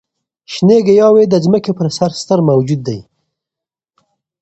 شنې ګیاوې د ځمکې پر سر ستر موجود دي.